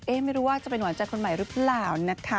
ไม่รู้ว่าจะเป็นหวานใจคนใหม่หรือเปล่านะคะ